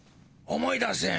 「思い出せん」。